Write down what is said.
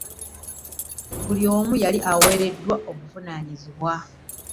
Buli omu yali aweereddwa obuvunaanyizibwa